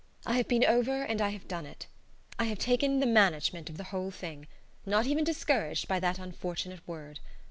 I have been over and I have done it. I have taken the "management" of the whole thing not even discouraged by this unfortunate word.